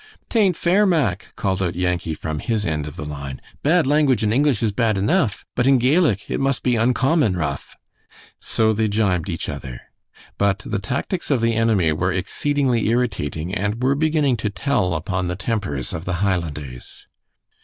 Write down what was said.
"'Tain't fair, Mack!" called out Yankee from his end of the line, "bad language in English is bad enough, but in Gaelic it must be uncommon rough." So they gibed each other. But the tactics of the enemy were exceedingly irritating, and were beginning to tell upon the tempers of the Highlanders.